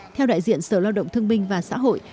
theo đại diện sở lao động thương minh và xã hội